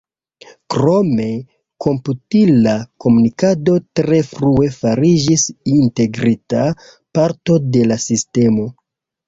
Krome komputila komunikado tre frue fariĝis integrita parto de la sistemo.